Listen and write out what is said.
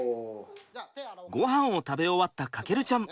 ごはんを食べ終わった翔ちゃん。